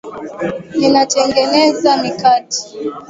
Ninatengeneza mkate.